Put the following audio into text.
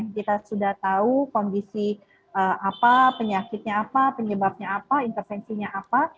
kita sudah tahu kondisi apa penyakitnya apa penyebabnya apa intervensinya apa